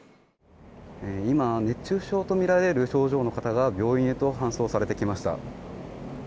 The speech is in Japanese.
今、熱中症とみられる症状の方が病院へと搬送されてきました。